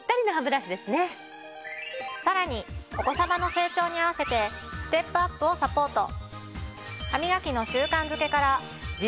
さらにお子さまの成長に合わせてステップアップをサポート。